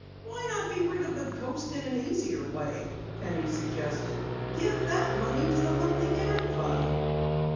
"Why, not be rid of the Ghost in an easier way?" Penny suggested. "Give the money to the Huntley Dam Fund."